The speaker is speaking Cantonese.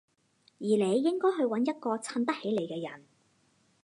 而你應該去搵一個襯得起你嘅人